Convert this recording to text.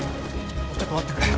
ちょっと待ってくれ。